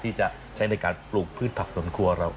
ที่จะใช้ในการปลูกพืชผักสวนครัวเรา